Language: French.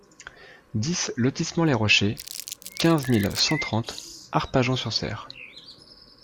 dix lotissement les Rochers, quinze mille cent trente Arpajon-sur-Cère